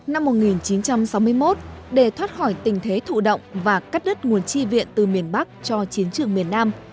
năm một nghìn chín trăm sáu mươi một để thoát khỏi tình thế thụ động và cắt đứt nguồn chi viện từ miền bắc cho chiến trường miền nam